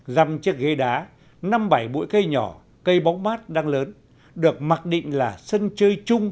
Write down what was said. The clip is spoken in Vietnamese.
dăm chiếc ghế đá năm bảy bụi cây nhỏ cây bóng mát đang lớn được mặc định là sân chơi chung